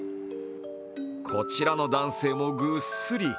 こちらの男性もぐっすり。